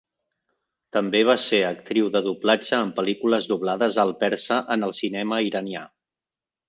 També va ser actriu de doblatge en pel·lícules doblades al persa en el cinema iranià.